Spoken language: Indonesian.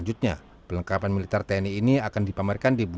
jangan kita disonesiin gd meri edwi